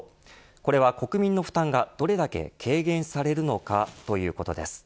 これは、国民の負担がどれだけ軽減されるのかということです。